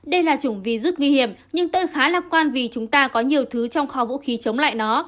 đây là chủng virus nguy hiểm nhưng tôi khá lạc quan vì chúng ta có nhiều thứ trong kho vũ khí chống lại nó